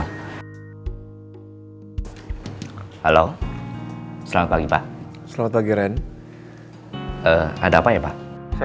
mama pengen banget kamu tuh jadian sama mbak jen